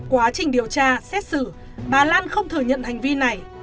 quá trình điều tra xét xử bà lan không thừa nhận hành vi này